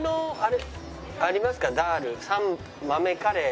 豆カレー。